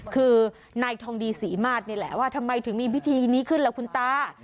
คือนายทองดีศรีมาตรนี่แหละว่าทำไมถึงมีพิธีนี้ขึ้นล่ะคุณตา